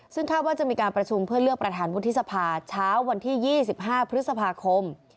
ซึ่งคาดว่าจะมีการประชุมเพื่อเลือกประธานวุฒิสภาเช้าวันที่๒๕พฤษภาคม